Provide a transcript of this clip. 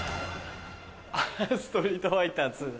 あっ『ストリートファイター』。